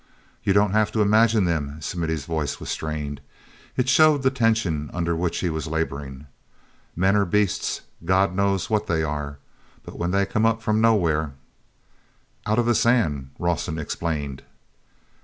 "You don't have to imagine them." Smithy's voice was strained; it showed the tension under which he was laboring. "Men or beasts—God knows what they are!—but when they come up from nowhere—" "Out of the sand," Rawson explained.